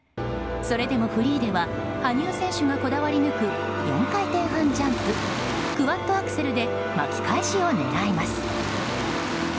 それでもフリーでは羽生選手がこだわり抜く４回転半ジャンプクワッドアクセルで巻き返しを狙います。